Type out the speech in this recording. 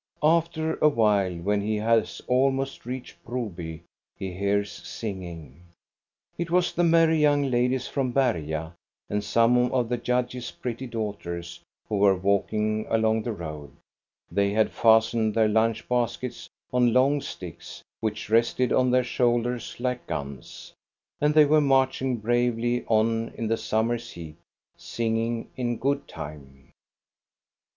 After a while, when he has almost reached Broby, he hears singing. It was the merry young ladies from Berga, and some of the judge's pretty daughters, who were walk ing along the road. They had fastened their lunch baskets on long sticks, which rested on their shoulders like guns, and they were marching bravely on in the summer's heat, singing in good time.